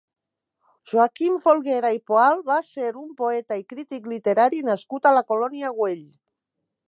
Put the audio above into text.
Joaquim Folguera i Poal va ser un poeta i crític literari nascut a La Colònia Güell.